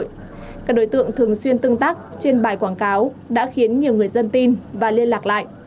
các đối tượng thường xuyên tương tác trên bài quảng cáo đã khiến nhiều người dân tin và liên lạc lại